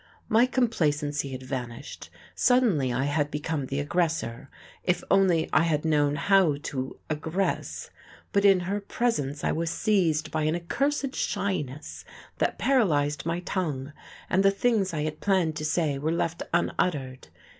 My complacency had vanished; suddenly I had become the aggressor, if only I had known how to "aggress"; but in her presence I was seized by an accursed shyness that paralyzed my tongue, and the things I had planned to say were left unuttered.